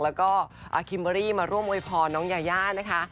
แล้วก็อาร์คิมบรีมาร่วมอวยพรน้องยาย่านะคะ